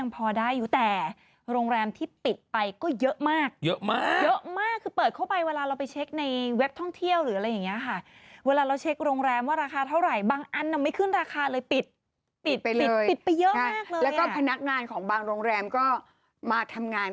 ประมาณแบบ๓พัน